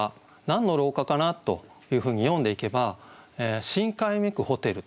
何の廊下かなというふうに読んでいけば「深海めくホテル」